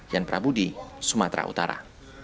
yan prabudi sumatera utara